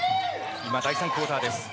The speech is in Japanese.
今、第３クオーターです。